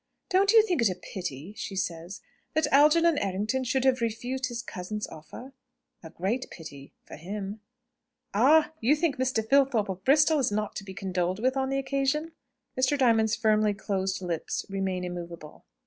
"Don't you think it a pity," she says, "that Algernon Errington should have refused his cousin's offer?" "A great pity for him." "Ah! you think Mr. Filthorpe of Bristol is not to be condoled with on the occasion?" Mr. Diamond's firmly closed lips remain immovable.